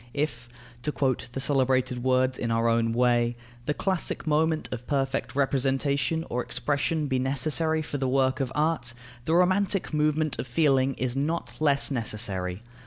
If (to quote the celebrated words in our own way) the classic moment of perfect representation or expression be necessary for the work of art, the romantic moment of feeling is not less necessary.